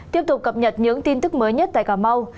tiếp tục cập nhật những tin tức mới nhất tại cà mau